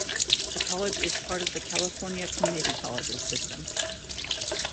The college is part of the California Community Colleges System.